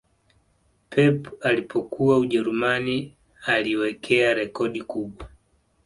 pep alipokuwa ujerumani aliwekea rekodi kubwa